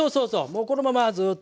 もうこのままずっと。